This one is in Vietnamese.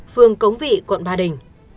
phường cống vị quận ba đình